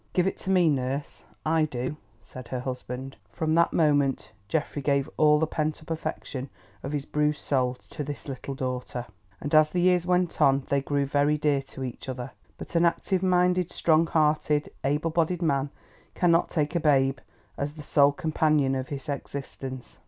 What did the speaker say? "Give it to me, nurse—I do," said her husband. From that moment Geoffrey gave all the pent up affection of his bruised soul to this little daughter, and as the years went on they grew very dear to each other. But an active minded, strong hearted, able bodied man cannot take a babe as the sole companion of his existence.